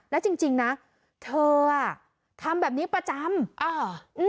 แล้วจริงนะเธอทำแบบนี้ประจำ